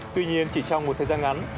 tuy nhiên chỉ trong một thời gian ngắn